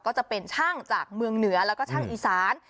ก็จะเป็นช่างจากเมืองเหนือแล้วก็ช่างอีสาน